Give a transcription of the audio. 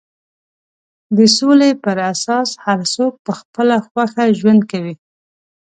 د سولې پر اساس هر څوک په خپله خوښه ژوند کوي.